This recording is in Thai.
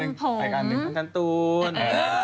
ต้องการตูน